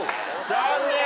残念。